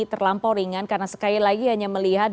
terlampau ringan karena sekali lagi hanya melihat